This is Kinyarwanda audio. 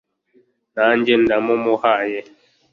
nanjye ndamumuhaye